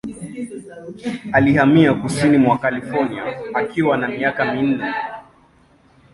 Alihamia kusini mwa California akiwa na miaka minne.